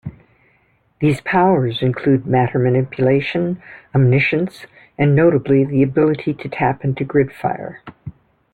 These powers include matter manipulation, omniscience and notably, the ability to tap into gridfire.